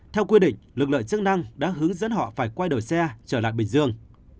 theo quy định lực lượng chức năng đã hướng dẫn họ phải quay đổi xe trở lại bình dương